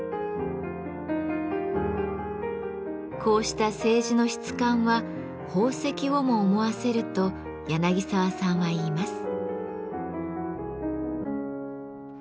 こうした青磁の質感は宝石をも思わせると澤さんは言います。